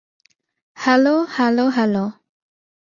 Hello, hello, hello!